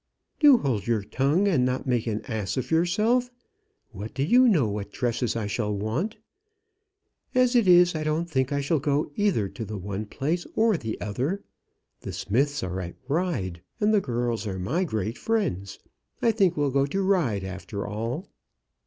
"Do hold your tongue, and not make an ass of yourself. What do you know what dresses I shall want? As it is, I don't think I shall go either to the one place or the other. The Smiths are at Ryde, and the girls are my great friends. I think we'll go to Ryde, after all."